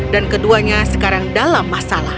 dan keduanya sekarang dalam masalah